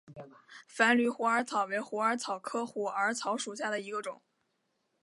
繁缕虎耳草为虎耳草科虎耳草属下的一个种。